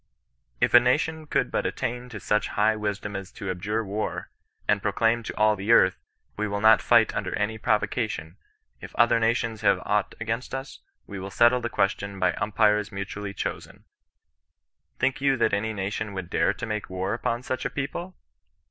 " If a nation could but attain to such high wisdom as to abjure war, and proclaim to all the earth, ' we will not fight under any provocation ; if other nations have aught against us, we will settle the question by imipires mutually chosen;' think you that any nation would dare to make war upon such a people